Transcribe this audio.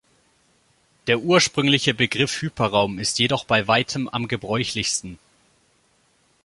Der ursprüngliche Begriff Hyperraum ist jedoch bei weitem am gebräuchlichsten.